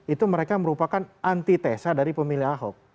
itu mereka merupakan antitesa dari pemilih ahok